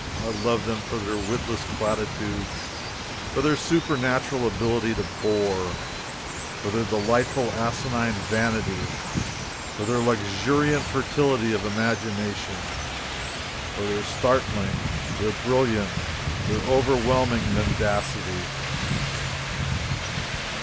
I love them for their witless platitudes, for their supernatural ability to bore, for their delightful asinine vanity, for their luxuriant fertility of imagination, for their startling, their brilliant, their overwhelming mendacity!